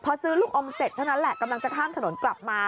พอซื้อลูกอมเสร็จเท่านั้นแหละกำลังจะข้ามถนนกลับมา